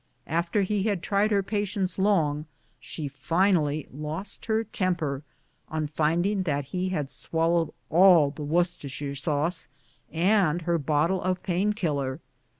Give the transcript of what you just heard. After he bad tried her pa tience long, she finally lost her temper on finding that he had swallowed all the Worcestershire sauce and her bottle of pain killer.